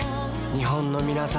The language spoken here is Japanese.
日本のみなさん